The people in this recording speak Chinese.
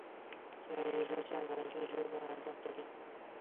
九嶷山相传为舜帝安葬之地。